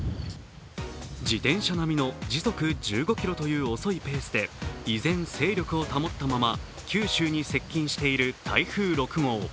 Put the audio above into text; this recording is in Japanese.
自転車並みの時速１５キロという遅いペースで依然、勢力を保ったまま九州に接近している台風６号。